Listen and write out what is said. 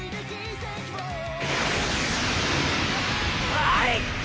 はい！